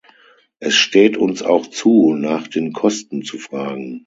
Es steht uns auch zu, nach den Kosten zu fragen.